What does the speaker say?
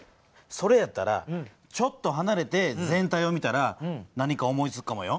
それやったらちょっとはなれて全体を見たら何か思いつくかもよ。